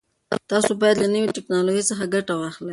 تاسو باید له نوي ټکنالوژۍ څخه ګټه واخلئ.